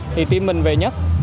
thì team mình về nhất